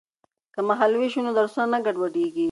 که مهال ویش وي نو درسونه نه ګډوډیږي.